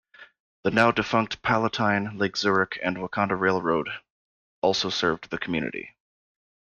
The now-defunct Palatine, Lake Zurich and Wauconda Railroad also served the community.